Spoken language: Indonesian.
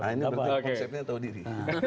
nah ini berarti konsepnya tahu diri